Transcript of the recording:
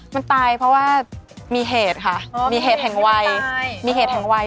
มันตายเพราะว่ามีเหตุค่ะมีเหตุแห่งวัยมีเหตุแห่งวัย